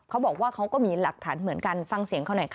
เขาก็มีหลักฐานเหมือนกันฟังเสียงเขาหน่อยค่ะ